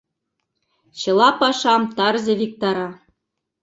Чыла пашам тарзе виктара.